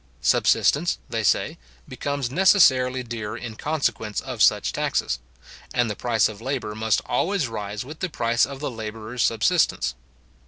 Subsistence, they say, becomes necessarily dearer in consequence of such taxes; and the price of labour must always rise with the price of the labourer's subsistence.